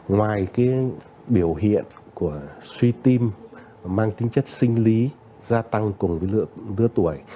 ngoài cái biểu hiện của suy tim mang tính chất sinh lý gia tăng cùng với lứa tuổi